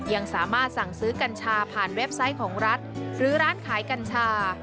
ยังสามารถสั่งซื้อกัญชาผ่านเว็บไซต์ของรัฐหรือร้านขายกัญชา